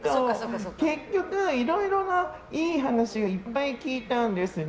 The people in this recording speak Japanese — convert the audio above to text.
結局いろいろな、いい話をいっぱい聞いたんですね。